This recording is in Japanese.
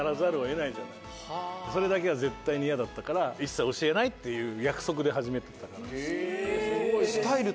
それだけは絶対に嫌だったから一切教えないっていう約束で始めてたから。